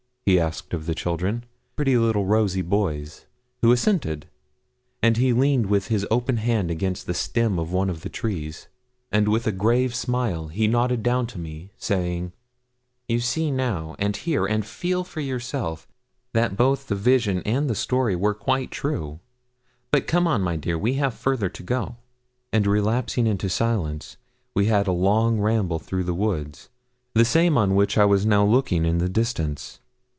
he asked of the children pretty little rosy boys who assented; and he leaned with his open hand against the stem of one of the trees, and with a grave smile he nodded down to me, saying 'You see now, and hear, and feel for yourself that both the vision and the story were quite true; but come on, my dear, we have further to go.' And relapsing into silence we had a long ramble through the wood, the same on which I was now looking in the distance.